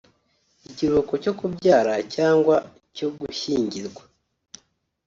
ikiruhuko cyo kubyara cyangwa cyo gushyingirwa